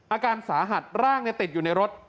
อาการสาหัสร่างติดอยู่ในรถ